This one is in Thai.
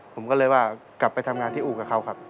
ผมก็เลยว่ากลับไปทำงานที่อู่กับเขาครับ